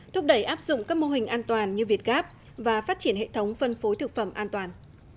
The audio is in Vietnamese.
thúc đẩy áp dụng các mô hình an toàn như việt gáp và phát triển hệ thống phân phối thực phẩm an toàn